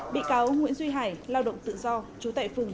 bị cáo nguyễn duy hải lao động tự do chú tệ phùng